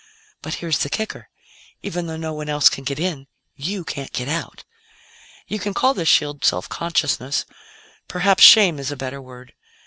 But here's the kicker: even though no one else can get in, you can't get out! "You can call this shield 'self consciousness' perhaps shame is a better word.